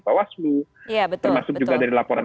pak waslu termasuk juga dari laporan